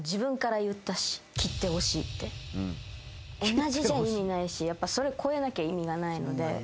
同じじゃ意味ないしそれ超えなきゃ意味がないので。